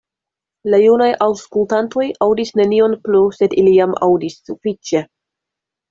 La junaj aŭskultantoj aŭdis nenion plu, sed ili jam aŭdis sufiĉe.